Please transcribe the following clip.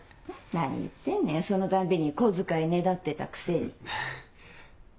何言ってんのよそのたんびに小遣いねだってたくせに。